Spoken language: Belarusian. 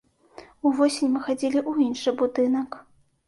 Увосень мы хадзілі ў іншы будынак.